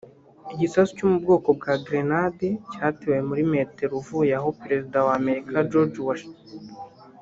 Igisasu cyo mu bwoko bwa Grenade cyatewe muri metero uvuye aho perezida wa Amerika George W